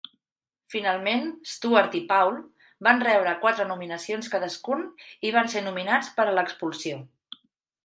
Finalment, Stuart i Paul van rebre quatre nominacions cadascun i van ser nominats per a l'expulsió.